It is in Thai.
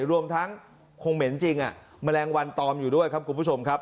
รวมทั้งคงเหม็นจริงแมลงวันตอมอยู่ด้วยครับคุณผู้ชมครับ